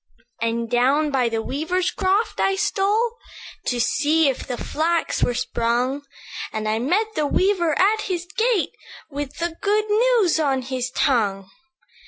"And down by the weaver's croft I stole, To see if the flax were sprung; And I met the weaver at his gate, With the good news on his tongue.